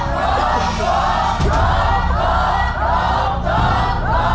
โทษโทษโทษโทษ